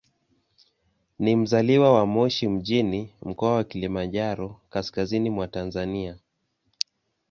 Ni mzaliwa wa Moshi mjini, Mkoa wa Kilimanjaro, kaskazini mwa Tanzania.